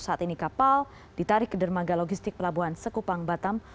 saat ini kapal ditarik ke dermaga logistik pelabuhan sekupang batam